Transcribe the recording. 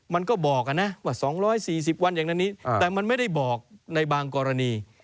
มันก็บอกนะว่า๒๔๐วันอย่างนั้นนี้แต่มันไม่ได้บอกในบางกรณี